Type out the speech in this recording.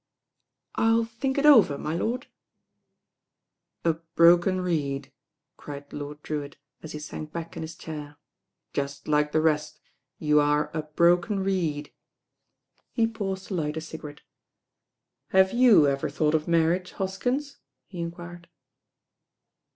"I'll think it over, r./ lord." "A broken reed," cried Lord Drewitt, as he sank back in his chair. "Just like the rest, you are a broken reed." He paused to light a cigarette. "Have you ever thought of marriage, Hoskms?" he inquired.